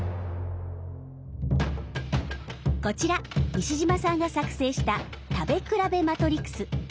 こちら西島さんが作成した食べ比べマトリクス。